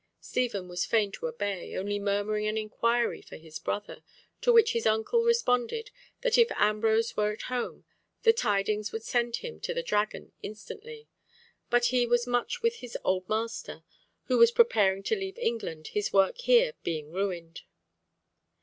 Stephen was fain to obey, only murmuring an inquiry for his brother, to which his uncle responded that if Ambrose were at home, the tidings would send him to the Dragon instantly; but he was much with his old master, who was preparing to leave England, his work here being ruined.